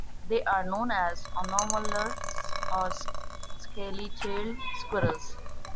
They are known as anomalures or scaly-tailed squirrels.